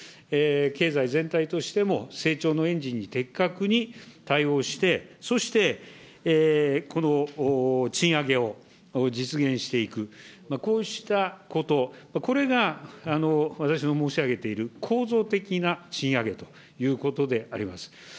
経済全体としても、成長のエンジンに的確に対応して、そしてこの賃上げを実現していく、こうしたこと、これが私の申し上げている構造的な賃上げということであります。